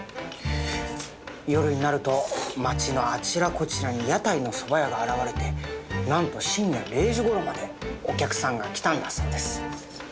夜になると町のあちらこちらに屋台のそば屋が現れてなんと深夜０時ごろまでお客さんが来たんだそうです。